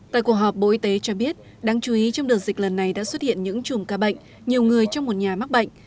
tại cuộc họp bộ y tế cho biết đáng chú ý trong đợt dịch lần này đã xuất hiện những chùm ca bệnh nhiều người trong một nhà mắc bệnh